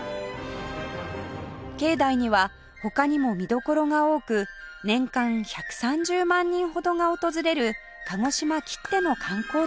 境内には他にも見どころが多く年間１３０万人ほどが訪れる鹿児島きっての観光地です